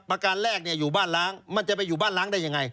ประการแรกอยู่บ้านล้างมันจะไปอยู่บ้านล้างได้ยังไง